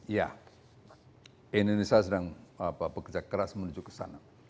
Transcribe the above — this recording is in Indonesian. ya indonesia sedang bekerja keras menuju ke sana